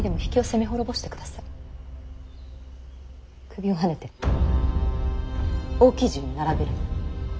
首をはねて大きい順に並べるの。